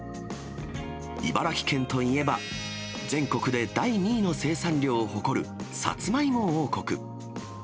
茨城県といえば、全国で第２位の生産量を誇るサツマイモ王国。